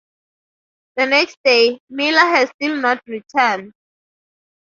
The next day, Miller has still not returned.